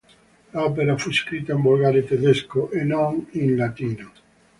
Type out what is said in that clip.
L'opera fu scritta in volgare tedesco e non in latino.